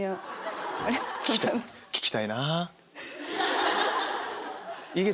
聴きたいな。